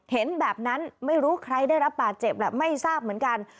เห็นแบบนั้นไม่รู้ใครได้รับบาดเจ็บแหละไม่ทราบเหมือนกัน